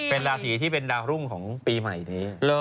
เป็นราศีที่เป็นดาวรุ่งของปีใหม่นี้